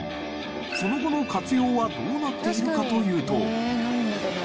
その後の活用はどうなっているかというと。